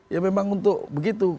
ya memang untuk begitu